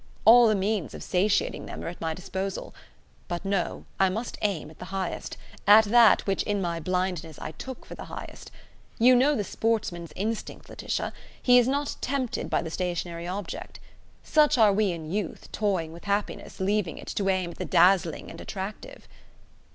All the means of satiating them are at my disposal. But no: I must aim at the highest: at that which in my blindness I took for the highest. You know the sportsman's instinct, Laetitia; he is not tempted by the stationary object. Such are we in youth, toying with happiness, leaving it, to aim at the dazzling and attractive."